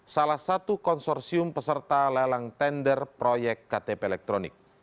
salah satu konsorsium peserta lelang tender proyek ktp elektronik